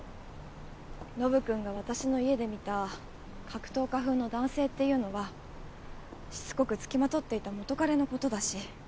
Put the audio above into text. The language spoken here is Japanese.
ノブ君が私の家で見た格闘家風の男性っていうのはしつこく付きまとっていた元彼のことだし。